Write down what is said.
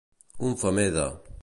Un femer de.